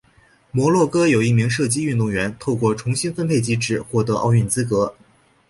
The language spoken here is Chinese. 摩洛哥有一名射击运动员透过重新分配机制获得奥运资格。